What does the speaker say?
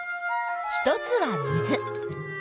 一つは水。